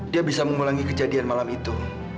dia bisa mengulangi kejadian malam itu